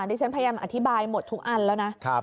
ที่ฉันพยายามอธิบายหมดทุกอันแล้วนะ